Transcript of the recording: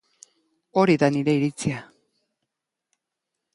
Hori da nire iritzia.